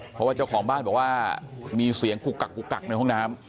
เพราะว่าเจ้าของบ้านบอกว่ามีเสียงกุกกักกุกกักในห้องน้ำ